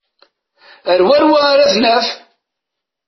Ar wanwa ara t-naf?